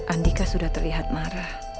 andika sudah terlihat marah